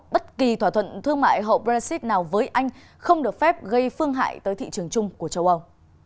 bất kỳ thỏa thuận thương mại hậu brexit nào với anh không được phép gây phương hại tới thị trường chung của châu âu